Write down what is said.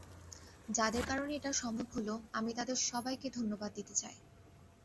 যাদের কারণে এটা সম্ভব হলো, আমি তাদের সবাইকে ধন্যবাদ দিতে চাই।